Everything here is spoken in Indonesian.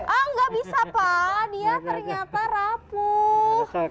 hah ah gak bisa pak dia ternyata rapuh